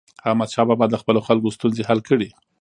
احمدشاه بابا د خپلو خلکو ستونزې حل کړي.